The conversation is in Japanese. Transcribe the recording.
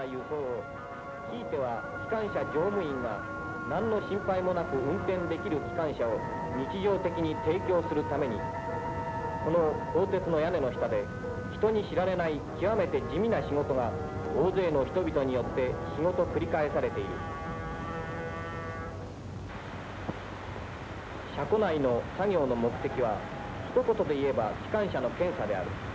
ひいては機関車乗務員が何の心配もなく運転できる機関車を日常的に提供するためにこの鋼鉄の屋根の下で人に知られない極めて地味な仕事が大勢の人々によって日ごと繰り返されている車庫内の作業の目的はひと言で言えば機関車の検査である。